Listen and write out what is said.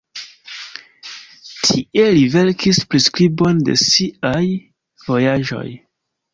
Tie li verkis priskribon de siaj vojaĝoj.